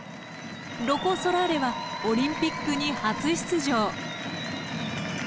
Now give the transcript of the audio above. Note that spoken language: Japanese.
ロコ・ソラーレはオリンピックに初出場。